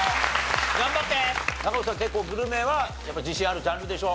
中越さん結構グルメはやっぱり自信あるジャンルでしょ？